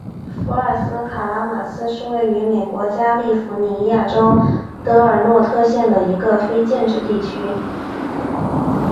福尔斯卡拉马斯是位于美国加利福尼亚州德尔诺特县的一个非建制地区。